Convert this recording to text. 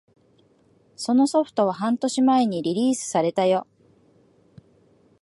そのソフトは半年前にリリースされたよ